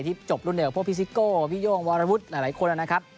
ที่จบรุ่นเดียวกับพี่ซิโก้พี่โย่งวารวุฒิ์หลายคนแล้วนะครับ